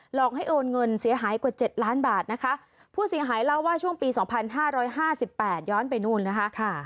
หลอกให้โอนเงินเสียหายกว่าเจ็ดล้านบาทนะคะผู้เสียหายเล่าว่าช่วงปีสองพันห้าร้อยห้าสิบแปดย้อนไปนู่นนะคะ